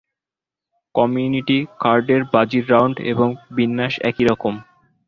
Community কার্ডের বাজির round এবং বিন্যাস একই রকম।